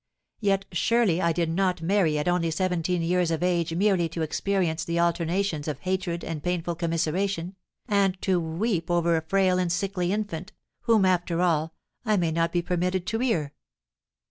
Yet surely I did not marry at only seventeen years of age merely to experience the alternations of hatred and painful commiseration, and to weep over a frail and sickly infant, whom, after all, I may not be permitted to rear.